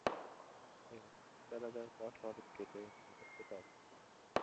Ayolimiz daladan bosh olib ketayin, dedi — ketolmadi.